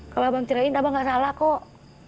kalau abang cairin abang gak salah kok